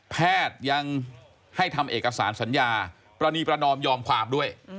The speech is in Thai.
แพทย์ยังให้ทำเอกสารสัญญาปรณีประนอมยอมความด้วย